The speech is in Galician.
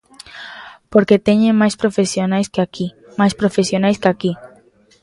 Porque teñen máis profesionais que aquí, máis profesionais que aquí.